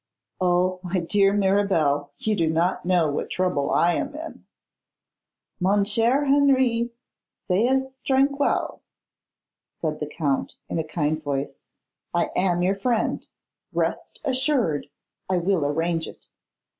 'Oh, my dear Mirabel, you do not know what trouble I am in.' 'Mon cher Henri, soyez tranquille,' said the Count, in a kind voice. 'I am your friend. Rest assured, I will arrange it.